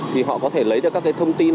thì họ có thể lấy được các cái thông tin